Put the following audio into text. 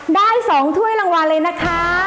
ได้๒ถ้วยรางวัลเลยนะคะ